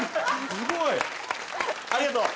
すごい！ありがとう！